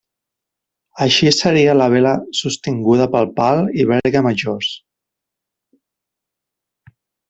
Així seria la vela sostinguda pel pal i verga majors.